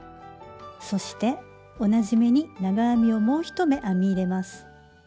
そして同じ目に長編みをもう１目編み入れます。